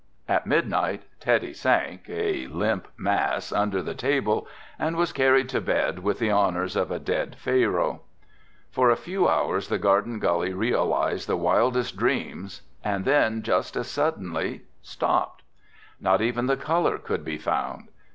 At midnight Teddy sank a limp mass under the table and was carried to bed with the honors of a dead Pharoah. For a few hours the Garden Gully realized the wildest dreams and then just as suddenly stopped. Not even the colour could be found.